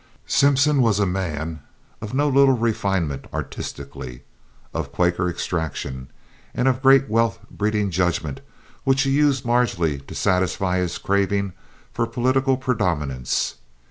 Simpson was a man of no little refinement artistically, of Quaker extraction, and of great wealth breeding judgment which he used largely to satisfy his craving for political predominance.